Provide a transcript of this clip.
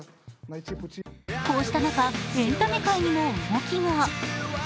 こうした中、エンタメ界にも動きが。